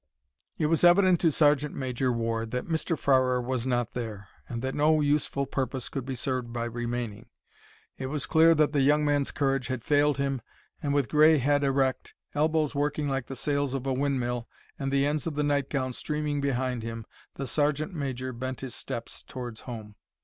It was evident to Sergeant Major Ward that Mr. Farrer was not there, and that no useful purpose could be served by remaining. It was clear that the young man's courage had failed him, and, with grey head erect, elbows working like the sails of a windmill, and the ends of the nightgown streaming behind him, the sergeant major bent his steps towards home.